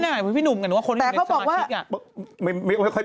ตารอะไรพี่หนุ่มกันตรงนี้เนื้อสมาชิกไม่ค่อยไปกัน